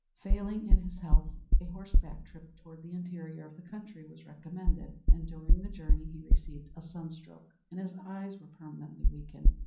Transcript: Failing in his health, a horseback trip toward the interior of the country was recommended, and during the journey he received a sunstroke, and his eyes were permanently weakened.